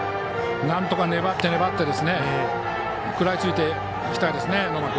なんとか粘って粘って食らいついていきたい野間君。